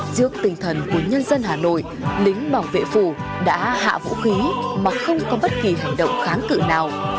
trước tinh thần của nhân dân hà nội lính bảo vệ phủ đã hạ vũ khí mà không có bất kỳ hành động kháng cự nào